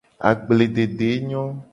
Agbledede nyo.